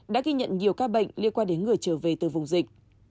đã ghi nhận nhiều ca bệnh liên quan đến người trở về từ vùng dịch